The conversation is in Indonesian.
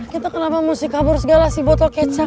kita kenapa mesti kabur segala si botol kecap